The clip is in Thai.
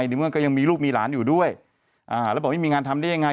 ในเมื่อก็ยังมีลูกมีหลานอยู่ด้วยอ่าแล้วบอกไม่มีงานทำได้ยังไง